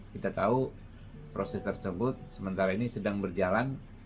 kita tahu proses tersebut sementara ini sedang berjalan